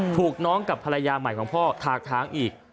ถูกน้องกับภรรยาใหม่ของพ่อถากทางอีก